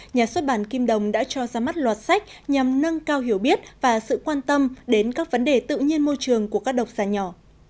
nhà xuất bản kim đồng đã cho ra mắt loạt sách nhằm nâng cao hiểu biết và sự quan tâm đến các vấn đề tự nhiên môi trường của các độc giả nhỏ